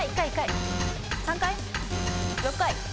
３回？６回。